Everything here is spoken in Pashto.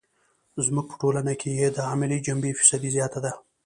زموږ په ټولنه کې یې د عملي جنبې فیصدي زیاته ده.